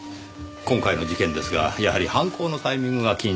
今回の事件ですがやはり犯行のタイミングが気になります。